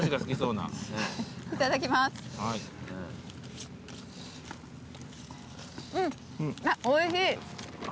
うんあっおいしい！